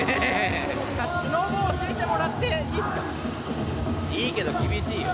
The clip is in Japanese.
スノボ教えてもらっていいっいいけど、厳しいよ。